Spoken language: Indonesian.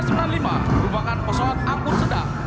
merupakan pesawat angkut sedang